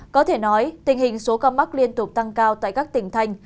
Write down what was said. có thể nói tình hình số ca mắc liên tục tăng cao tại các tỉnh thành